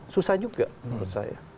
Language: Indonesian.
susah juga menurut saya